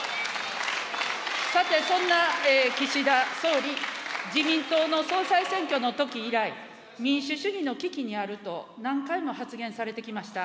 さて、そんな岸田総理、自民党の総裁選挙のとき以来、民主主義の危機にあると、何回も発言されてきました。